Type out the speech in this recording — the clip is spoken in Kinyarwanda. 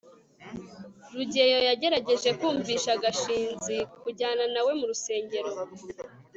rugeyo yagerageje kumvisha gashinzi kujyana na we mu rusengero